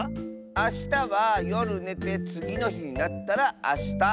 あしたはよるねてつぎのひになったらあした。